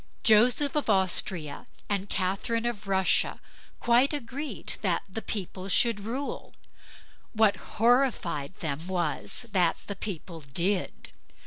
Joseph of Austria and Catherine of Russia quite agreed that the people should rule; what horrified them was that the people did.